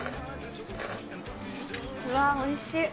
うわっ、おいしい。